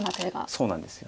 そうなんです。